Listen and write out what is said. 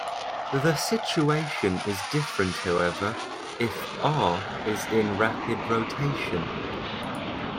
The situation is different, however, if "R" is in rapid rotation.